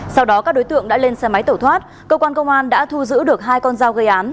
sau đó các đối tượng đã lên xe máy tẩu thoát cơ quan công an đã thu giữ được hai con dao gây án